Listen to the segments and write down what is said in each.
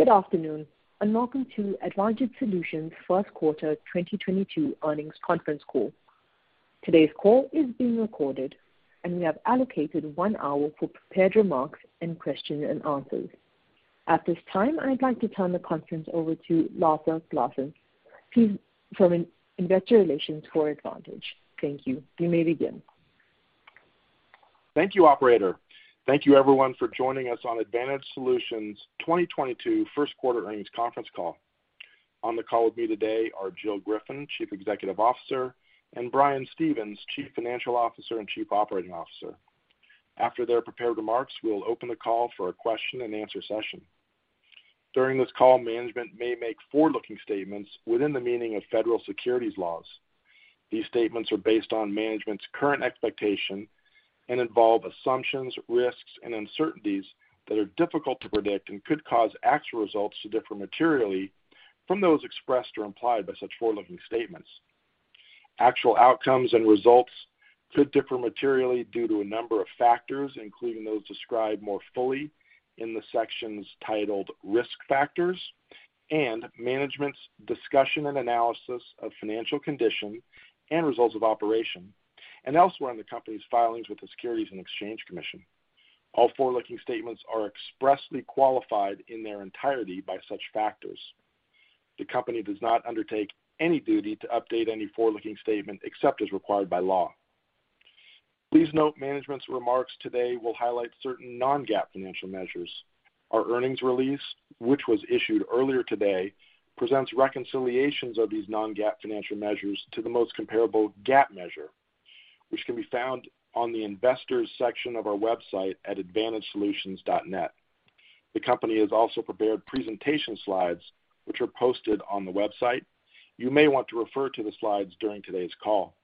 Good afternoon, and welcome to Advantage Solutions' Q1 2022 earnings conference call. Today's call is being recorded, and we have allocated one hour for prepared remarks and questions and answers. At this time, I'd like to turn the conference over to Lasse Larsen from investor relations for Advantage. Thank you. You may begin. Thank you, operator. Thank you everyone for joining us on Advantage Solutions' 2022 Q1 earnings conference call. On the call with me today are Jill Griffin, Chief Executive Officer, and Brian Stevens, Chief Financial Officer and Chief Operating Officer. After their prepared remarks, we'll open the call for a question and answer session. During this call, management may make forward-looking statements within the meaning of federal securities laws. These statements are based on management's current expectation and involve assumptions, risks, and uncertainties that are difficult to predict and could cause actual results to differ materially from those expressed or implied by such forward-looking statements. Actual outcomes and results could differ materially due to a number of factors, including those described more fully in the sections titled Risk Factors and Management's Discussion and Analysis of Financial Condition and Results of Operations and elsewhere in the company's filings with the Securities and Exchange Commission. All forward-looking statements are expressly qualified in their entirety by such factors. The company does not undertake any duty to update any forward-looking statement except as required by law. Please note management's remarks today will highlight certain non-GAAP financial measures. Our earnings release, which was issued earlier today, presents reconciliations of these non-GAAP financial measures to the most comparable GAAP measure, which can be found on the investors section of our website at advantagesolutions.net. The company has also prepared presentation slides, which are posted on the website. You may want to refer to the slides during today's call.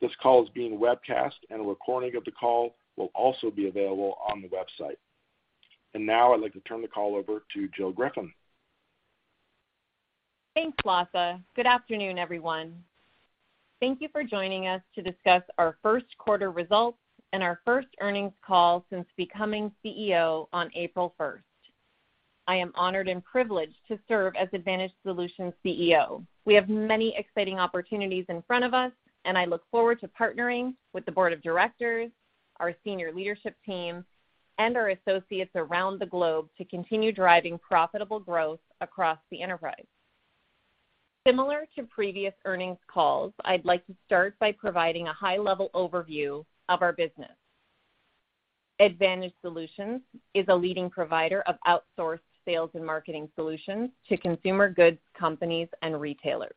This call is being webcast, and a recording of the call will also be available on the website. Now I'd like to turn the call over to Jill Griffin. Thanks, Lasse. Good afternoon, everyone. Thank you for joining us to discuss our Q1 results and our first earnings call since becoming CEO on April 1. I am honored and privileged to serve as Advantage Solutions CEO. We have many exciting opportunities in front of us, and I look forward to partnering with the board of directors, our senior leadership team, and our associates around the globe to continue driving profitable growth across the enterprise. Similar to previous earnings calls, I'd like to start by providing a high-level overview of our business. Advantage Solutions is a leading provider of outsourced sales and marketing solutions to consumer goods companies and retailers.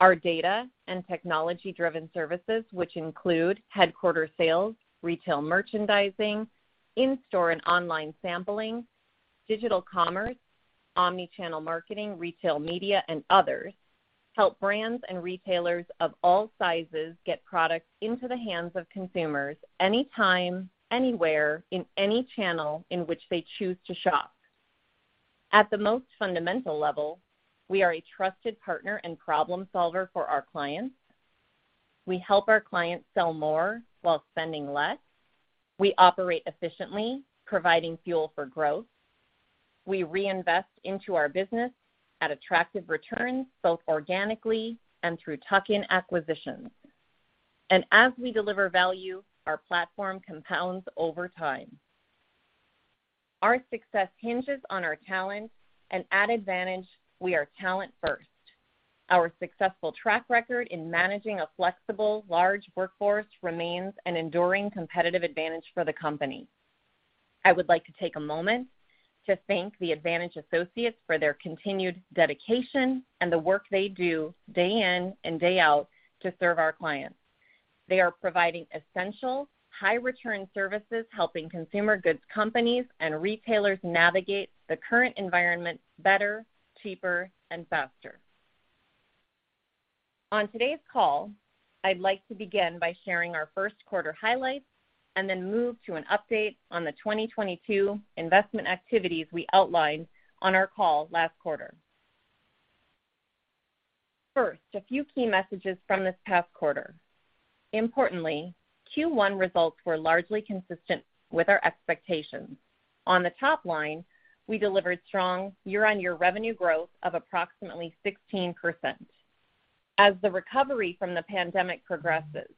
Our data and technology-driven services, which include headquarter sales, retail merchandising, in-store and online sampling, digital commerce, omni-channel marketing, retail media, and others, help brands and retailers of all sizes get products into the hands of consumers anytime, anywhere, in any channel in which they choose to shop. At the most fundamental level, we are a trusted partner and problem solver for our clients. We help our clients sell more while spending less. We operate efficiently, providing fuel for growth. We reinvest into our business at attractive returns, both organically and through tuck-in acquisitions. As we deliver value, our platform compounds over time. Our success hinges on our talent, and at Advantage, we are talent first. Our successful track record in managing a flexible, large workforce remains an enduring competitive advantage for the company. I would like to take a moment to thank the Advantage associates for their continued dedication and the work they do day in and day out to serve our clients. They are providing essential, high-return services, helping consumer goods companies and retailers navigate the current environment better, cheaper, and faster. On today's call, I'd like to begin by sharing our Q1 highlights and then move to an update on the 2022 investment activities we outlined on our call last quarter. First, a few key messages from this past quarter. Importantly, Q1 results were largely consistent with our expectations. On the top line, we delivered strong year-on-year revenue growth of approximately 16%. As the recovery from the pandemic progresses,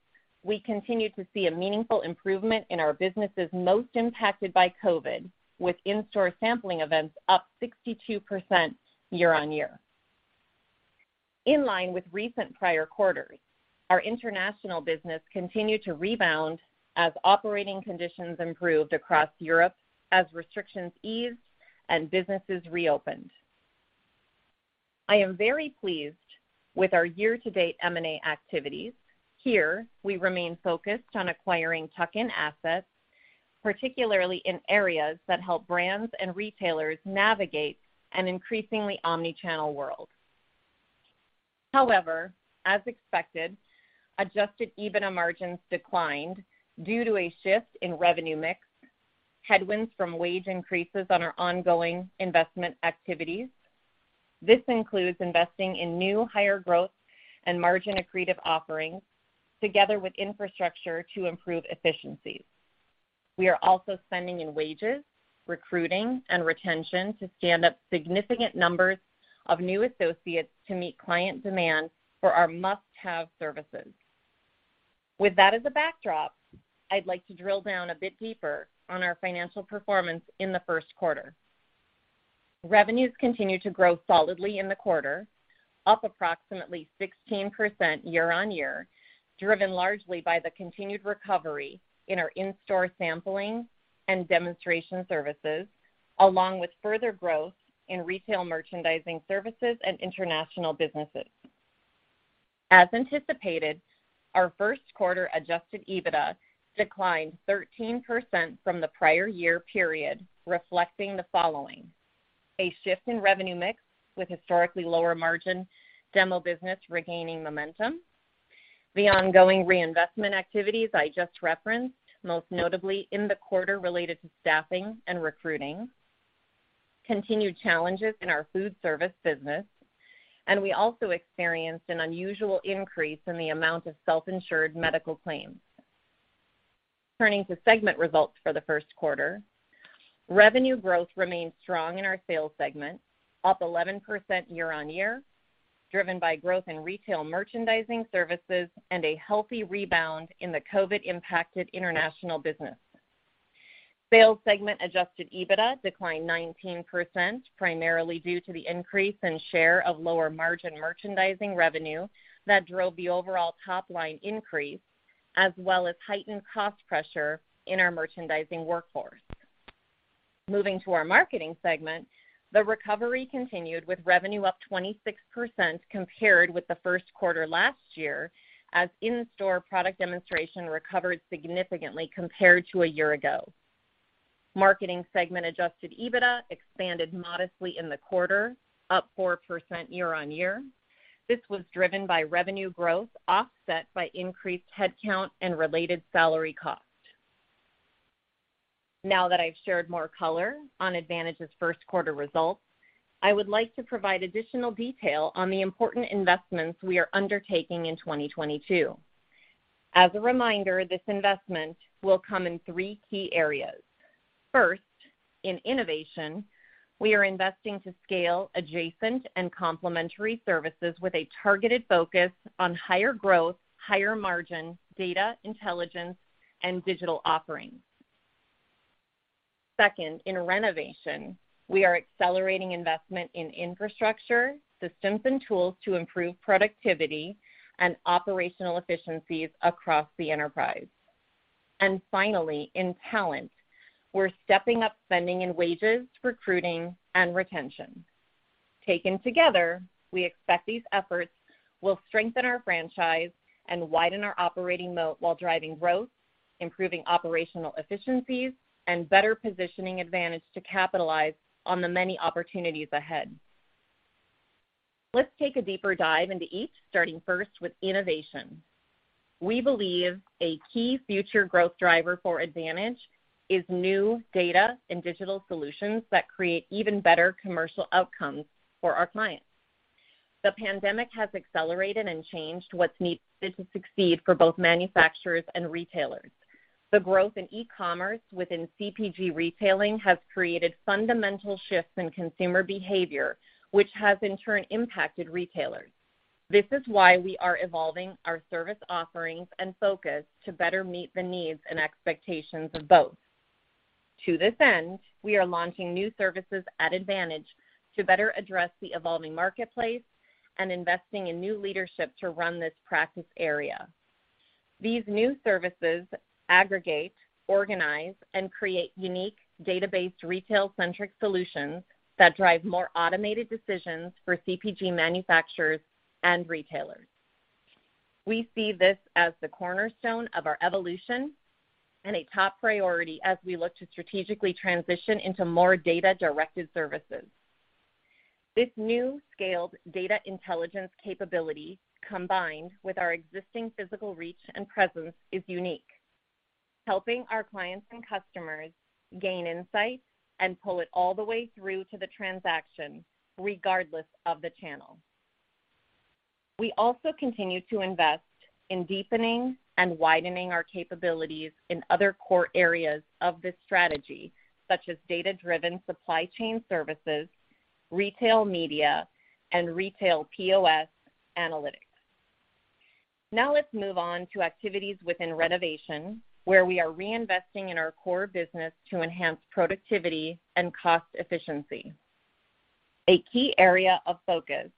we continue to see a meaningful improvement in our businesses most impacted by COVID, with in-store sampling events up 62% year-on-year. In line with recent prior quarters, our international business continued to rebound as operating conditions improved across Europe as restrictions eased and businesses reopened. I am very pleased with our year-to-date M&A activities. Here, we remain focused on acquiring tuck-in assets, particularly in areas that help brands and retailers navigate an increasingly omni-channel world. However, as expected, adjusted EBITDA margins declined due to a shift in revenue mix, headwinds from wage increases on our ongoing investment activities. This includes investing in new higher growth and margin accretive offerings together with infrastructure to improve efficiencies. We are also spending on wages, recruiting, and retention to stand up significant numbers of new associates to meet client demand for our must-have services. With that as a backdrop, I'd like to drill down a bit deeper on our financial performance in the Q1. Revenues continued to grow solidly in the quarter, up approximately 16% year-on-year, driven largely by the continued recovery in our in-store sampling and demonstration services, along with further growth in retail merchandising services and international businesses. As anticipated, our Q1 Adjusted EBITDA declined 13% from the prior year period, reflecting the following. A shift in revenue mix with historically lower margin demo business regaining momentum, the ongoing reinvestment activities I just referenced, most notably in the quarter related to staffing and recruiting, continued challenges in our food service business, and we also experienced an unusual increase in the amount of self-insured medical claims. Turning to segment results for the Q1, revenue growth remained strong in our sales segment, up 11% year-on-year, driven by growth in retail merchandising services and a healthy rebound in the COVID-impacted international business. Sales segment Adjusted EBITDA declined 19%, primarily due to the increase in share of lower-margin merchandising revenue that drove the overall top-line increase as well as heightened cost pressure in our merchandising workforce. Moving to our marketing segment, the recovery continued with revenue up 26% compared with the Q1 last year as in-store product demonstration recovered significantly compared to a year ago. Marketing segment Adjusted EBITDA expanded modestly in the quarter, up 4% year-on-year. This was driven by revenue growth offset by increased headcount and related salary costs. Now that I've shared more color on Advantage's Q1 results, I would like to provide additional detail on the important investments we are undertaking in 2022. As a reminder, this investment will come in three key areas. First, in innovation, we are investing to scale adjacent and complementary services with a targeted focus on higher growth, higher margin, data intelligence, and digital offerings. Second, in renovation, we are accelerating investment in infrastructure, systems and tools to improve productivity and operational efficiencies across the enterprise. Finally, in talent, we're stepping up spending in wages, recruiting, and retention. Taken together, we expect these efforts will strengthen our franchise and widen our operating moat while driving growth, improving operational efficiencies, and better positioning Advantage Solutions to capitalize on the many opportunities ahead. Let's take a deeper dive into each, starting first with innovation. We believe a key future growth driver for Advantage Solutions is new data and digital solutions that create even better commercial outcomes for our clients. The pandemic has accelerated and changed what's needed to succeed for both manufacturers and retailers. The growth in e-commerce within CPG retailing has created fundamental shifts in consumer behavior, which has in turn impacted retailers. This is why we are evolving our service offerings and focus to better meet the needs and expectations of both. To this end, we are launching new services at Advantage to better address the evolving marketplace and investing in new leadership to run this practice area. These new services aggregate, organize, and create unique data-based retail-centric solutions that drive more automated decisions for CPG manufacturers and retailers. We see this as the cornerstone of our evolution and a top priority as we look to strategically transition into more data-directed services. This new scaled data intelligence capability, combined with our existing physical reach and presence, is unique, helping our clients and customers gain insights and pull it all the way through to the transaction regardless of the channel. We also continue to invest in deepening and widening our capabilities in other core areas of this strategy, such as data-driven supply chain services, retail media, and retail POS analytics. Now let's move on to activities within renovation, where we are reinvesting in our core business to enhance productivity and cost efficiency. A key area of focus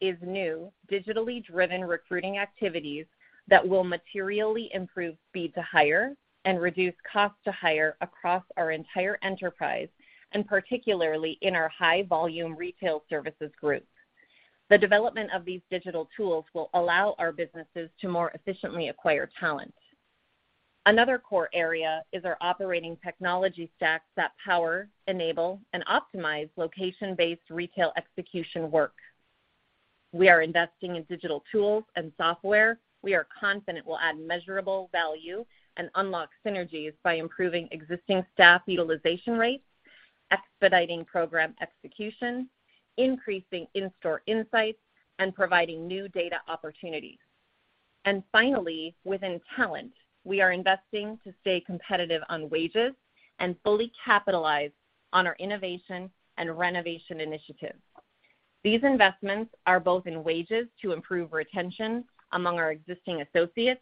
is new digitally driven recruiting activities that will materially improve speed to hire and reduce cost to hire across our entire enterprise, and particularly in our high volume retail services group. The development of these digital tools will allow our businesses to more efficiently acquire talent. Another core area is our operating technology stacks that power, enable, and optimize location-based retail execution work. We are investing in digital tools and software. We are confident we'll add measurable value and unlock synergies by improving existing staff utilization rates, expediting program execution, increasing in-store insights, and providing new data opportunities. Finally, within talent, we are investing to stay competitive on wages and fully capitalize on our innovation and renovation initiatives. These investments are both in wages to improve retention among our existing associates,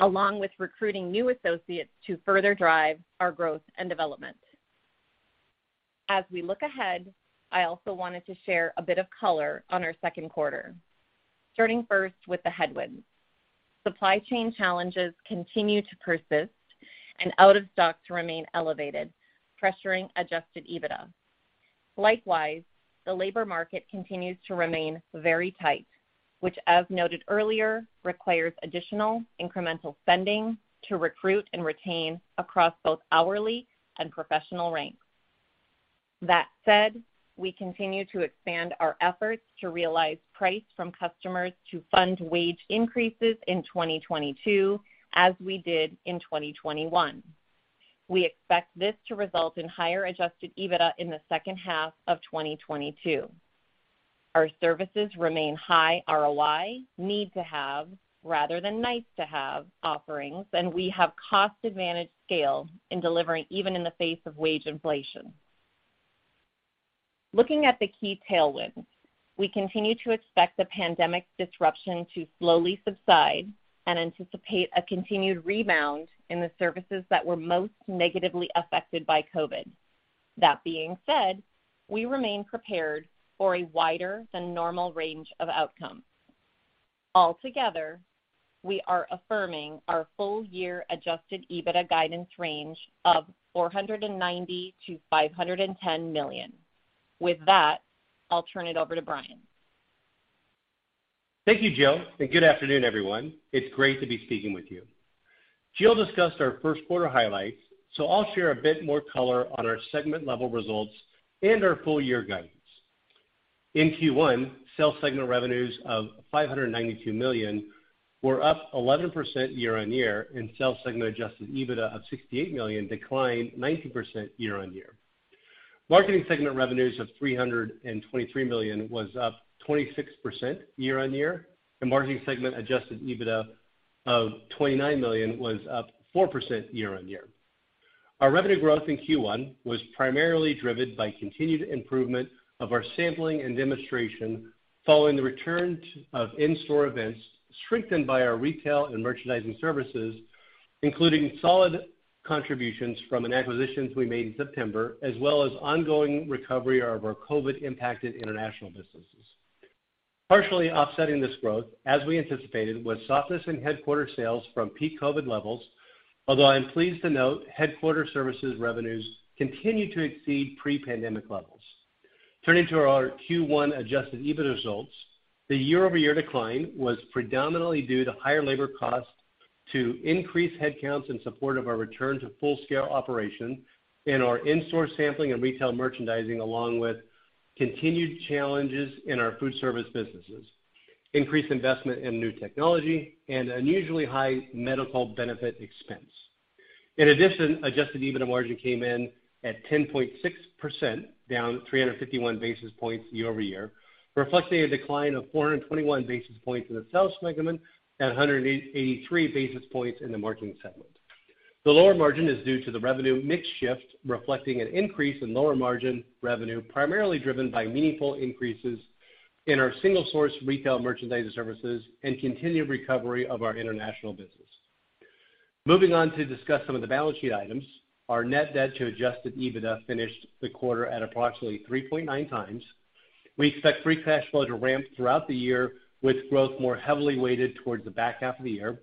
along with recruiting new associates to further drive our growth and development. As we look ahead, I also wanted to share a bit of color on our Q2, starting first with the headwinds. Supply chain challenges continue to persist and out-of-stocks to remain elevated, pressuring Adjusted EBITDA. Likewise, the labor market continues to remain very tight, which as noted earlier, requires additional incremental spending to recruit and retain across both hourly and professional ranks. That said, we continue to expand our efforts to realize price from customers to fund wage increases in 2022, as we did in 2021. We expect this to result in higher Adjusted EBITDA in the second half of 2022. Our services remain high ROI, need to have rather than nice to have offerings, and we have cost advantage scale in delivering even in the face of wage inflation. Looking at the key tailwinds, we continue to expect the pandemic disruption to slowly subside and anticipate a continued rebound in the services that were most negatively affected by COVID. That being said, we remain prepared for a wider than normal range of outcomes. Altogether, we are affirming our full year Adjusted EBITDA guidance range of $490 million-$510 million. With that, I'll turn it over to Brian. Thank you, Jill, and good afternoon, everyone. It's great to be speaking with you. Jill discussed our Q1 highlights, so I'll share a bit more color on our segment level results and our full year guidance. In Q1, sales segment revenues of $592 million were up 11% year-over-year, and sales segment Adjusted EBITDA of $68 million declined 19% year-over-year. Marketing segment revenues of $323 million was up 26% year-over-year, and marketing segment Adjusted EBITDA of $29 million was up 4% year-over-year. Our revenue growth in Q1 was primarily driven by continued improvement of our sampling and demonstration following the return of in-store events, strengthened by our retail and merchandising services, including solid contributions from acquisitions we made in September, as well as ongoing recovery of our COVID impacted international businesses. Partially offsetting this growth, as we anticipated, was softness in headquarters sales from peak COVID levels. Although I'm pleased to note, headquarters services revenues continue to exceed pre-pandemic levels. Turning to our Q1 Adjusted EBITDA results, the year-over-year decline was predominantly due to higher labor costs to increase headcounts in support of our return to full-scale operation and our in-store sampling and retail merchandising, along with continued challenges in our food service businesses, increased investment in new technology, and unusually high medical benefit expense. Adjusted EBITDA margin came in at 10.6%, down 351 basis points year-over-year, reflecting a decline of 421 basis points in the sales segment and 183 basis points in the marketing segment. The lower margin is due to the revenue mix shift, reflecting an increase in lower margin revenue, primarily driven by meaningful increases in our single-source retail merchandising services and continued recovery of our international business. Moving on to discuss some of the balance sheet items. Our net debt to adjusted EBITDA finished the quarter at approximately 3.9 times. We expect free cash flow to ramp throughout the year, with growth more heavily weighted towards the back half of the year.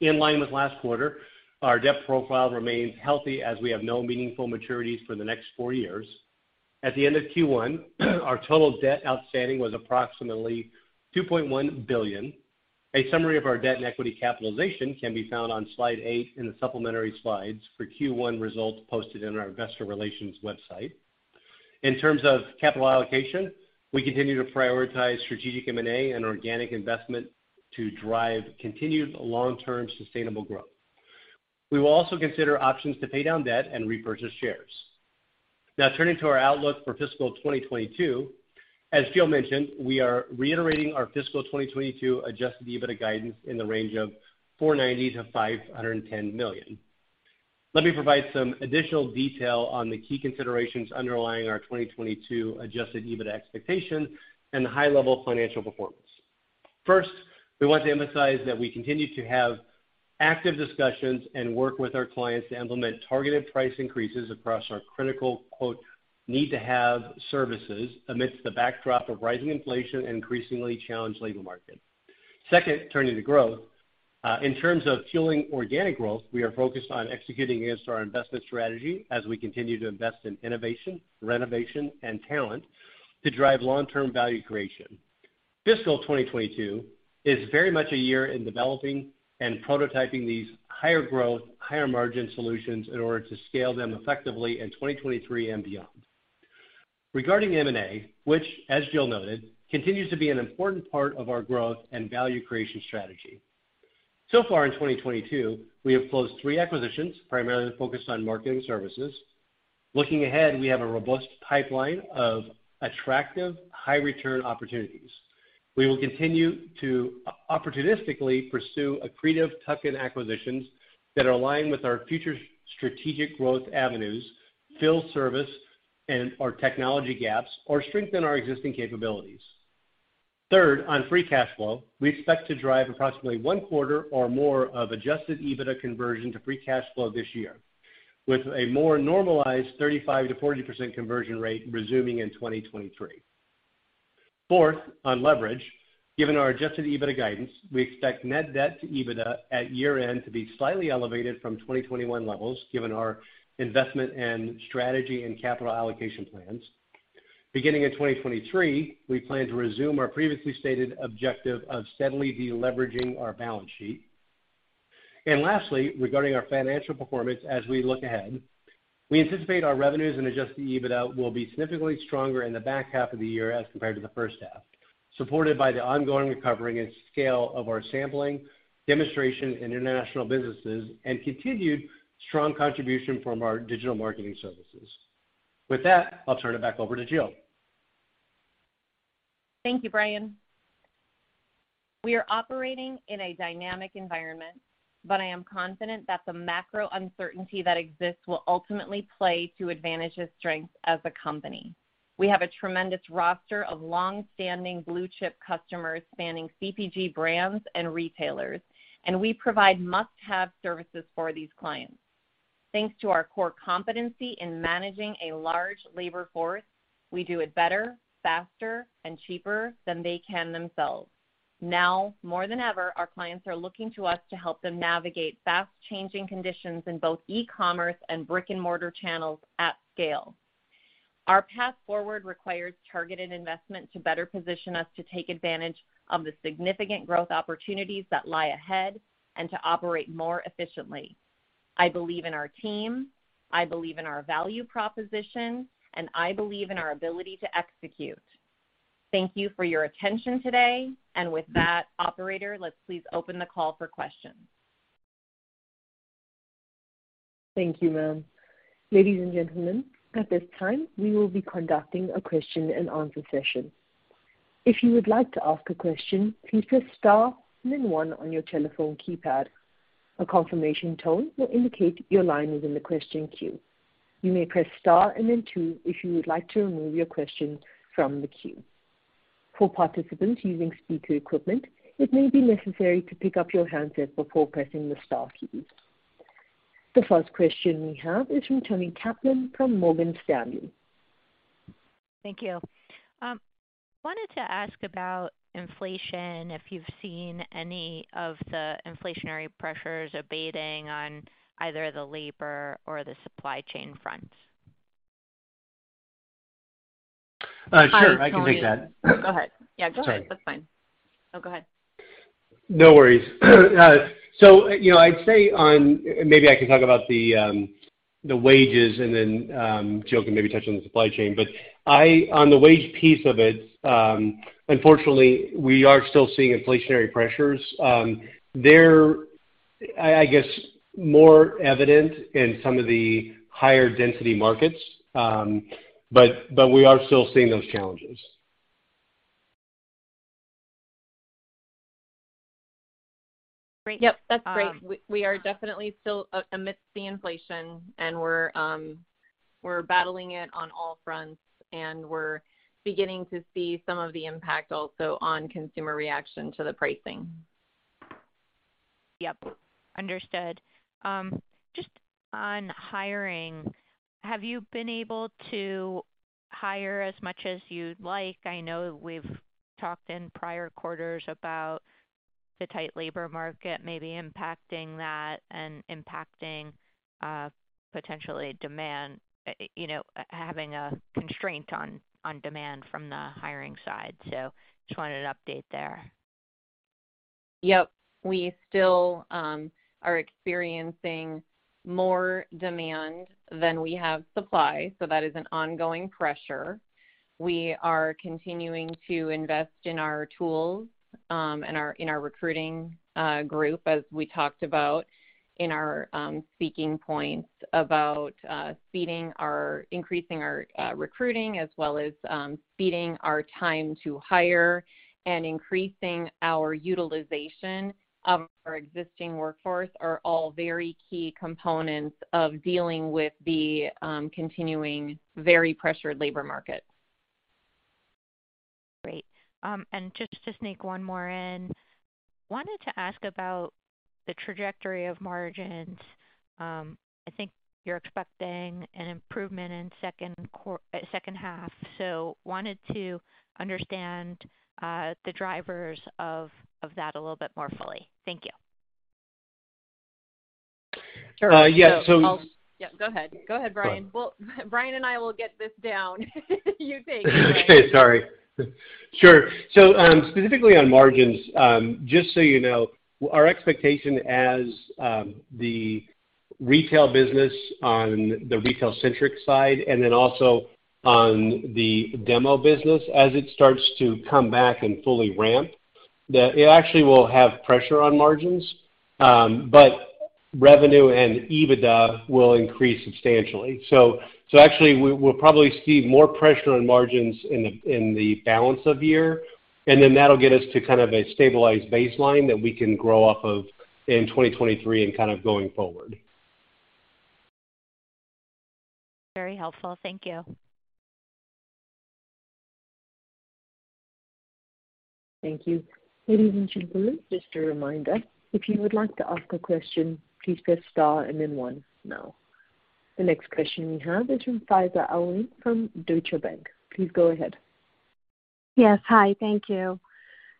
In line with last quarter, our debt profile remains healthy as we have no meaningful maturities for the next four years. At the end of Q1, our total debt outstanding was approximately $2.1 billion. A summary of our debt and equity capitalization can be found on slide eight in the supplementary slides for Q1 results posted in our investor relations website. In terms of capital allocation, we continue to prioritize strategic M&A and organic investment to drive continued long-term sustainable growth. We will also consider options to pay down debt and repurchase shares. Now turning to our outlook for fiscal 2022. As Jill mentioned, we are reiterating our fiscal 2022 Adjusted EBITDA guidance in the range of $490 million-$510 million. Let me provide some additional detail on the key considerations underlying our 2022 Adjusted EBITDA expectation and the high level financial performance. First, we want to emphasize that we continue to have active discussions and work with our clients to implement targeted price increases across our critical, quote, need to have services amidst the backdrop of rising inflation and increasingly challenged labor market. Second, turning to growth. In terms of fueling organic growth, we are focused on executing against our investment strategy as we continue to invest in innovation, renovation, and talent to drive long-term value creation. Fiscal 2022 is very much a year in developing and prototyping these higher growth, higher margin solutions in order to scale them effectively in 2023 and beyond. Regarding M&A, which as Jill noted, continues to be an important part of our growth and value creation strategy. So far in 2022, we have closed three acquisitions, primarily focused on marketing services. Looking ahead, we have a robust pipeline of attractive high return opportunities. We will continue to opportunistically pursue accretive tuck-in acquisitions that are aligned with our future strategic growth avenues, fill service and our technology gaps, or strengthen our existing capabilities. Third, on free cash flow, we expect to drive approximately one quarter or more of Adjusted EBITDA conversion to free cash flow this year, with a more normalized 35%-40% conversion rate resuming in 2023. Fourth, on leverage, given our Adjusted EBITDA guidance, we expect net debt to EBITDA at year-end to be slightly elevated from 2021 levels given our investment and strategy and capital allocation plans. Beginning in 2023, we plan to resume our previously stated objective of steadily de-leveraging our balance sheet. Lastly, regarding our financial performance as we look ahead, we anticipate our revenues and Adjusted EBITDA will be significantly stronger in the back half of the year as compared to the first half, supported by the ongoing recovery and scale of our sampling, demonstration in international businesses, and continued strong contribution from our digital marketing services. With that, I'll turn it back over to Jill. Thank you, Brian. We are operating in a dynamic environment, but I am confident that the macro uncertainty that exists will ultimately play to advantage the strengths of the company. We have a tremendous roster of long-standing blue-chip customers spanning CPG brands and retailers, and we provide must-have services for these clients. Thanks to our core competency in managing a large labor force, we do it better, faster, and cheaper than they can themselves. Now more than ever, our clients are looking to us to help them navigate fast changing conditions in both e-commerce and brick-and-mortar channels at scale. Our path forward requires targeted investment to better position us to take advantage of the significant growth opportunities that lie ahead and to operate more efficiently. I believe in our team, I believe in our value proposition, and I believe in our ability to execute. Thank you for your attention today. With that, operator, let's please open the call for questions. Thank you, ma'am. Ladies and gentlemen, at this time, we will be conducting a question and answer session. If you would like to ask a question, please press star then one on your telephone keypad. A confirmation tone will indicate your line is in the question queue. You may press star and then two if you would like to remove your question from the queue. For participants using speaker equipment, it may be necessary to pick up your handset before pressing the star key. The first question we have is from Toni Kaplan from Morgan Stanley. Thank you. Wanted to ask about inflation, if you've seen any of the inflationary pressures abating on either the labor or the supply chain fronts? Sure, I can take that. Go ahead. Yeah, go ahead. Sorry. That's fine. No, go ahead. No worries. You know, I'd say. Maybe I can talk about the wages and then Jill can maybe touch on the supply chain. On the wage piece of it, unfortunately, we are still seeing inflationary pressures. They're, I guess, more evident in some of the higher density markets, but we are still seeing those challenges. Great. Yep, that's great. We are definitely still amidst the inflation, and we're battling it on all fronts, and we're beginning to see some of the impact also on consumer reaction to the pricing. Yep, understood. Just on hiring, have you been able to hire as much as you'd like? I know we've talked in prior quarters about the tight labor market maybe impacting that and impacting potentially demand, you know, having a constraint on demand from the hiring side. Just wanted an update there. Yep. We still are experiencing more demand than we have supply, so that is an ongoing pressure. We are continuing to invest in our tools and in our recruiting group, as we talked about in our speaking points about increasing our recruiting as well as speeding our time to hire and increasing our utilization of our existing workforce are all very key components of dealing with the continuing very pressured labor market. Great. Just to sneak one more in, wanted to ask about the trajectory of margins. I think you're expecting an improvement in second half. Wanted to understand the drivers of that a little bit more fully. Thank you. Yeah. Yeah, go ahead. Go ahead, Brian. Well, Brian and I will get this down. You think. Okay, sorry. Sure. Specifically on margins, just so you know, our expectations for the retail business on the retail-centric side and then also on the demo business as it starts to come back and fully ramp, that it actually will have pressure on margins, but revenue and EBITDA will increase substantially. Actually we'll probably see more pressure on margins in the balance of the year, and then that'll get us to kind of a stabilized baseline that we can grow off of in 2023 and kind of going forward. Very helpful. Thank you. Thank you. Ladies and gentlemen, just a reminder, if you would like to ask a question, please press star and then one now. The next question we have is from Faiza Alwy from Deutsche Bank. Please go ahead. Yes. Hi. Thank you.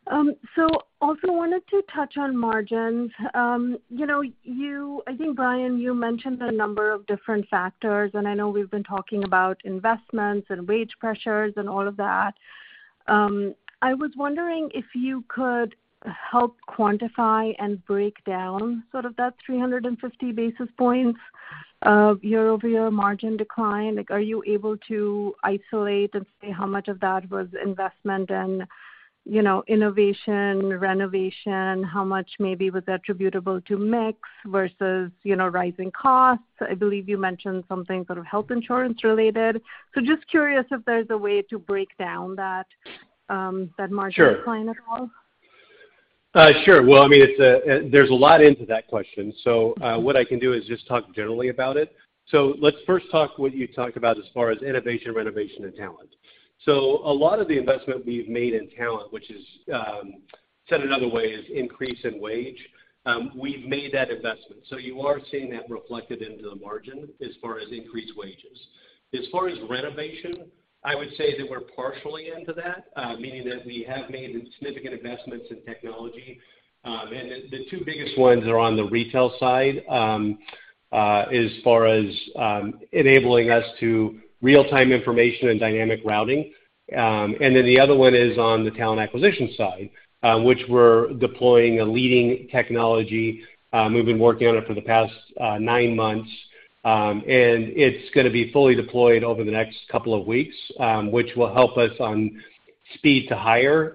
Also wanted to touch on margins. You know, I think, Brian, you mentioned a number of different factors, and I know we've been talking about investments and wage pressures and all of that. I was wondering if you could help quantify and break down sort of that 350 basis points of year-over-year margin decline. Like, are you able to isolate and say how much of that was investment and, you know, innovation, renovation? How much maybe was attributable to mix versus, you know, rising costs? I believe you mentioned something sort of health insurance related. Just curious if there's a way to break down that margin. Sure decline at all. Sure. Well, I mean, it's, there's a lot to that question. What I can do is just talk generally about it. Let's first talk what you talked about as far as innovation, renovation, and talent. A lot of the investment we've made in talent, which is, said another way, is increase in wages. We've made that investment. You are seeing that reflected in the margin as far as increased wages. As far as renovation, I would say that we're partially into that, meaning that we have made significant investments in technology. The two biggest ones are on the retail side, as far as enabling us to real-time information and dynamic routing. The other one is on the talent acquisition side, which we're deploying a leading technology. We've been working on it for the past nine months, and it's gonna be fully deployed over the next couple of weeks, which will help us on speed to hire,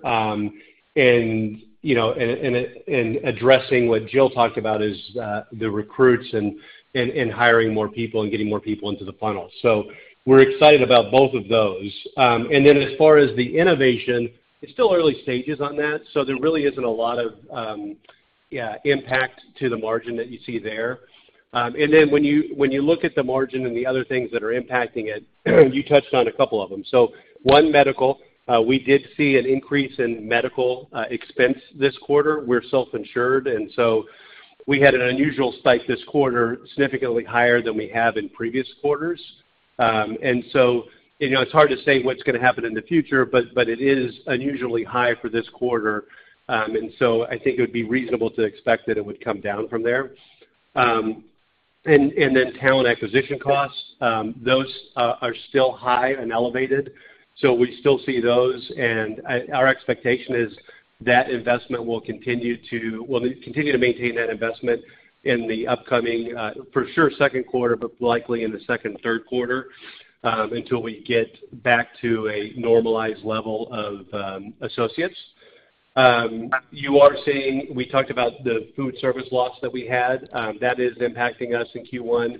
and you know, in addressing what Jill talked about is the recruits and hiring more people and getting more people into the funnel. We're excited about both of those. As far as the innovation, it's still early stages on that. There really isn't a lot of impact to the margin that you see there. When you look at the margin and the other things that are impacting it, you touched on a couple of them. One, medical. We did see an increase in medical expense this quarter. We're self-insured, and so we had an unusual spike this quarter, significantly higher than we have in previous quarters. You know, it's hard to say what's gonna happen in the future, but it is unusually high for this quarter. I think it would be reasonable to expect that it would come down from there. Talent acquisition costs, those are still high and elevated. We still see those, and our expectation is that we'll continue to maintain that investment in the upcoming, for sure Q2, but likely in the Q2, Q3, until we get back to a normalized level of associates. We talked about the food service loss that we had, that is impacting us in Q1.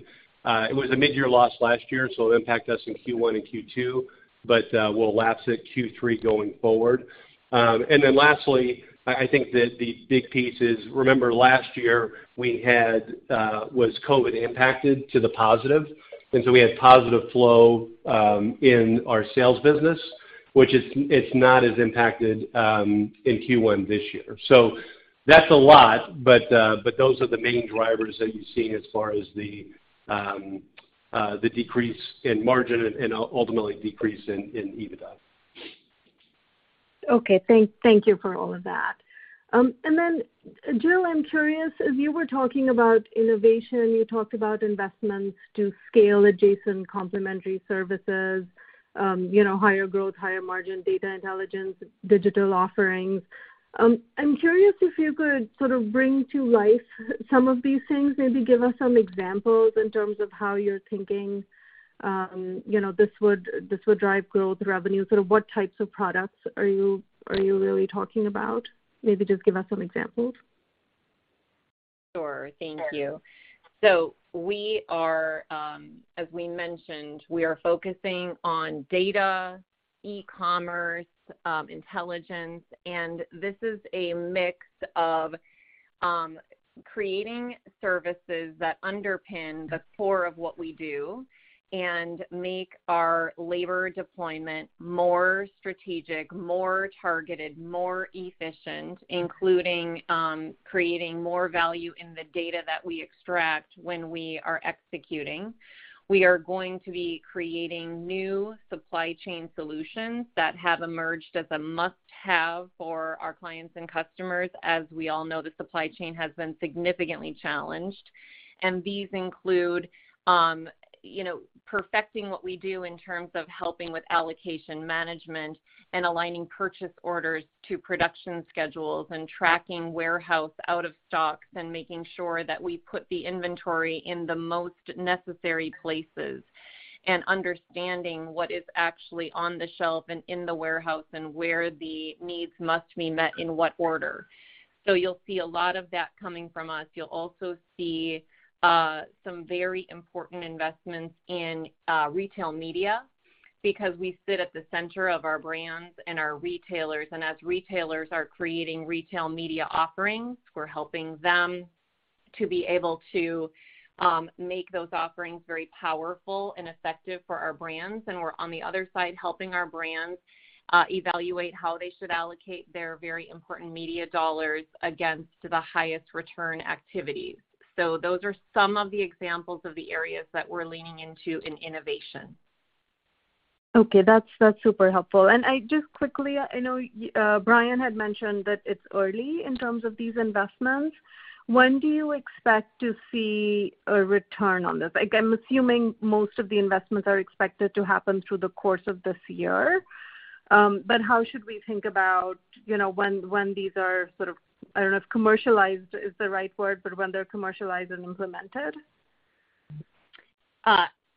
It was a mid-year loss last year, so it'll impact us in Q1 and Q2, but we'll lapse it Q3 going forward. Then lastly, I think that the big piece is, remember last year, we had what was COVID impacted to the positive. We had positive flow in our sales business, which is not as impacted in Q1 this year. That's a lot, but those are the main drivers that you're seeing as far as the decrease in margin and ultimately decrease in EBITDA. Okay. Thank you for all of that. Jill, I'm curious, as you were talking about innovation, you talked about investments to scale adjacent complementary services, you know, higher growth, higher margin data intelligence, digital offerings. I'm curious if you could sort of bring to life some of these things. Maybe give us some examples in terms of how you're thinking, you know, this would drive growth revenue. Sort of what types of products are you really talking about? Maybe just give us some examples. Sure. Thank you. We are, as we mentioned, we are focusing on data, e-commerce, intelligence, and this is a mix of creating services that underpin the core of what we do and make our labor deployment more strategic, more targeted, more efficient, including, creating more value in the data that we extract when we are executing. We are going to be creating new supply chain solutions that have emerged as a must-have for our clients and customers. As we all know, the supply chain has been significantly challenged. These include, you know, perfecting what we do in terms of helping with allocation management and aligning purchase orders to production schedules and tracking warehouse out of stocks, and making sure that we put the inventory in the most necessary places, and understanding what is actually on the shelf and in the warehouse and where the needs must be met in what order. You'll see a lot of that coming from us. You'll also see some very important investments in retail media because we sit at the center of our brands and our retailers. As retailers are creating retail media offerings, we're helping them to be able to make those offerings very powerful and effective for our brands. We're on the other side helping our brands evaluate how they should allocate their very important media dollars against the highest return activities. Those are some of the examples of the areas that we're leaning into in innovation. Okay. That's super helpful. I just quickly, I know, Brian had mentioned that it's early in terms of these investments. When do you expect to see a return on this? Like, I'm assuming most of the investments are expected to happen through the course of this year. But how should we think about, you know, when these are sort of, I don't know if commercialized is the right word, but when they're commercialized and implemented?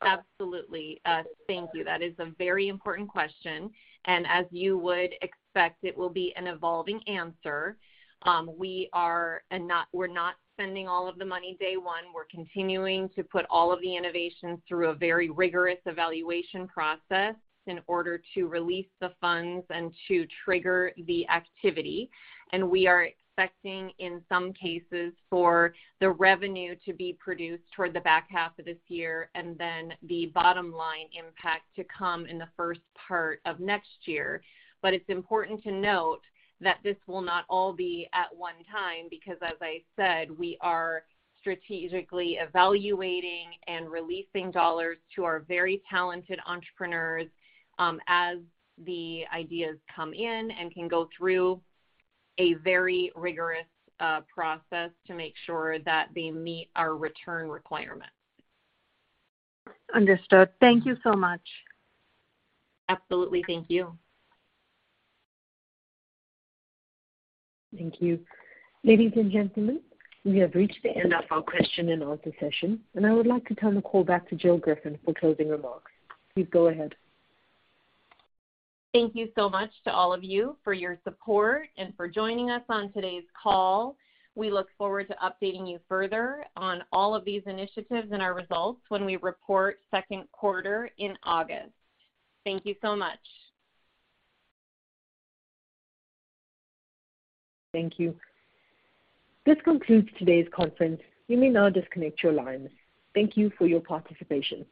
Absolutely. Thank you. That is a very important question. As you would expect, it will be an evolving answer. We're not spending all of the money day one. We're continuing to put all of the innovations through a very rigorous evaluation process in order to release the funds and to trigger the activity. We are expecting, in some cases, for the revenue to be produced toward the back half of this year and then the bottom line impact to come in the first part of next year. It's important to note that this will not all be at one time because, as I said, we are strategically evaluating and releasing dollars to our very talented entrepreneurs, as the ideas come in and can go through a very rigorous process to make sure that they meet our return requirements. Understood. Thank you so much. Absolutely. Thank you. Thank you. Ladies and gentlemen, we have reached the end of our question-and-answer session, and I would like to turn the call back to Jill Griffin for closing remarks. Please go ahead. Thank you so much to all of you for your support and for joining us on today's call. We look forward to updating you further on all of these initiatives and our results when we report Q2 in August. Thank you so much. Thank you. This concludes today's conference. You may now disconnect your lines. Thank you for your participation.